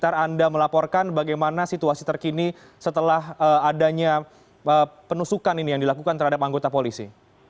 apakah anda melaporkan bagaimana situasi terkini setelah adanya penusukan ini yang dilakukan terhadap anggota polisi